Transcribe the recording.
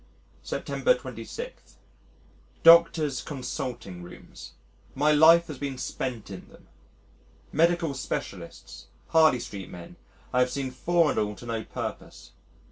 September 26. Doctor's Consulting Rooms my life has been spent in them! Medical specialists Harley Street men I have seen four and all to no purpose.